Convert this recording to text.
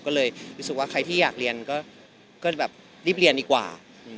ก็เลยรู้สึกว่าใครที่อยากเรียนก็แบบรีบเรียนดีกว่า